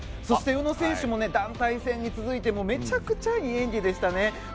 そして、宇野選手も団体戦に続いてめちゃくちゃいい演技でしたね。